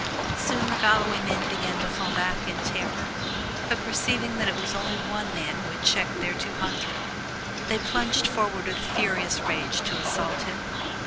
Soon the Galloway men began to fall back in terror, but perceiving that it was only one man who had checked their two hundred, they plunged forward with furious rage to assault him.